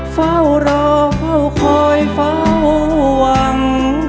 เฝ้ารอเฝ้าคอยเฝ้าหวัง